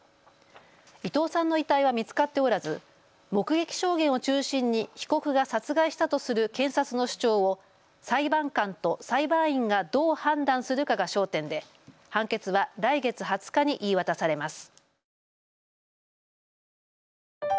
伊藤さんの遺体は見つかっておらず、目撃証言を中心に被告が殺害したとする検察の主張を裁判官と裁判員がどう判断するかが焦点で判決は来月２０日に言い渡されます。